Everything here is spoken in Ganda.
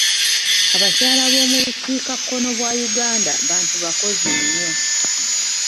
Abakyala b'omu bukiika kkono bwa Uganda bantu bakozi nnyo.